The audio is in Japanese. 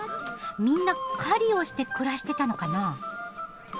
みんな狩りをして暮らしてたのかな？